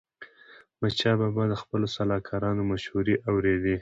احمدشاه بابا د خپلو سلاکارانو مشوري اوريدي.